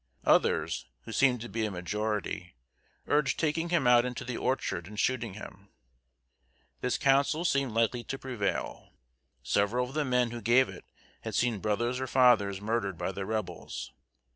Others, who seemed to be a majority, urged taking him out into the orchard and shooting him. This counsel seemed likely to prevail. Several of the men who gave it had seen brothers or fathers murdered by the Rebels.